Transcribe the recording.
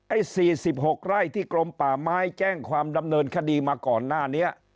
ไอ้๔๖ไร่ที่กรมป่าไม้แจ้งความดำเนินคดีมาก่อนหน้านี้